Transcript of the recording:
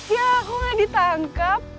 ya aku gak ditangkap